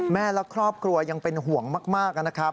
แม่และครอบครัวยังเป็นห่วงมากนะครับ